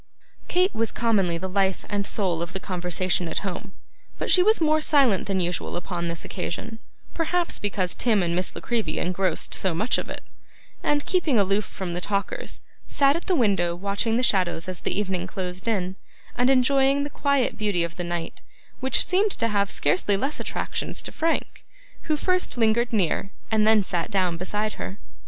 Kate was commonly the life and soul of the conversation at home; but she was more silent than usual upon this occasion (perhaps because Tim and Miss La Creevy engrossed so much of it), and, keeping aloof from the talkers, sat at the window watching the shadows as the evening closed in, and enjoying the quiet beauty of the night, which seemed to have scarcely less attractions to Frank, who first lingered near, and then sat down beside, her.